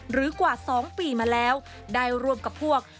กว่า๒ปีมาแล้วได้ร่วมกับพวก